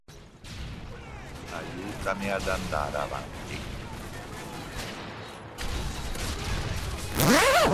Deep Down